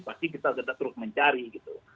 pasti kita tetap terus mencari gitu